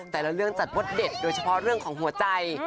แต่ละเรื่องจัดว่าเด็ดโดยเฉพาะเรื่องของหัวใจ